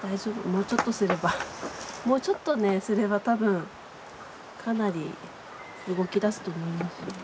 もうちょっとすればもうちょっとねすれば多分かなり動きだすと思いますよ。